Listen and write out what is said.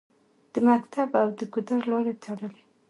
د مکتب او د ګودر لارې تړلې